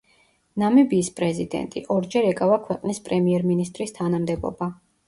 ნამიბიის პრეზიდენტი, ორჯერ ეკავა ქვეყნის პრემიერ-მინისტრის თანამდებობა.